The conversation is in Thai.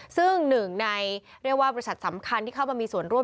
ซึ่งหนึ่งในเรียกว่าบริษัทสำคัญที่เข้ามามีส่วนร่วม